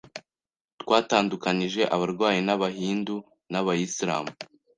twatandukanyije abarwayi b’abahindu n’abayislam”